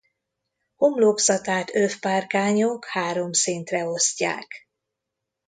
Homlokzatát övpárkányok három szintre osztják.